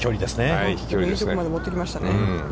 いいところまで持ってきましたね。